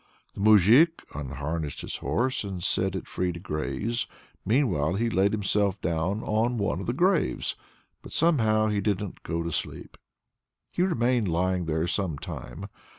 The moujik unharnessed his horse and set it free to graze; meanwhile he laid himself down on one of the graves. But somehow he didn't go to sleep. He remained lying there some time.